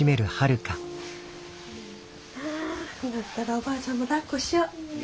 おばあちゃんもだっこしよう。